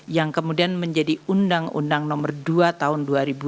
yang kemudian menjadi undang undang nomor dua tahun dua ribu dua